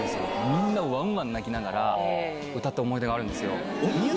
みんな、わんわん泣きながら、歌った思い出があるんですよ。